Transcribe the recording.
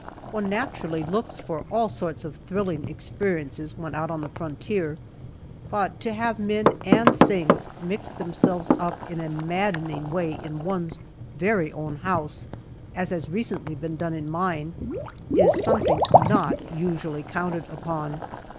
ONE naturally looks for all sorts of thrilling experiences when out on the frontier, but to have men and things mix themselves up in a maddening way in one's very own house, as has recently been done in mine, is something not usually counted upon.